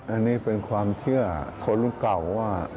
อันนี้เป็นความเชื่อคนรุ่นเก่าว่า